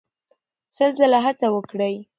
سل ځله هڅه وکړئ.